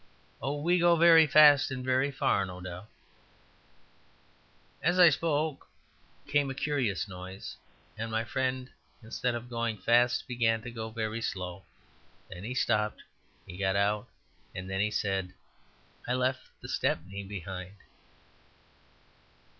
Oh! we go very fast and very far, no doubt " As I spoke came a curious noise, and my friend, instead of going fast, began to go very slow; then he stopped; then he got out. Then he said, "And I left the Stepney behind."